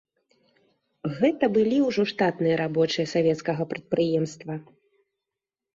Гэта былі ўжо штатныя рабочыя савецкага прадпрыемства.